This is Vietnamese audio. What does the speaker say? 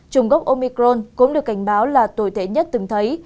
trùng gốc omicron cũng được cảnh báo là tồi tệ nhất từng thấy